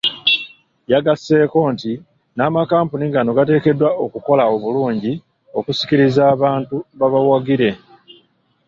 Yagasseeko nti n'amakampuni gano gateekeddwa okukola obulungi okusikiriza abantu babawagire.